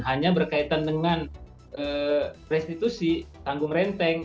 hanya berkaitan dengan restitusi tanggung renteng